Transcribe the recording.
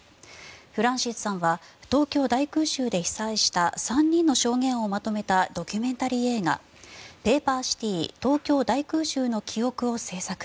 フランシスさんは東京大空襲で被災した３人の証言をまとめたドキュメンタリー映画「ペーパーシティ東京大空襲の記憶」を制作。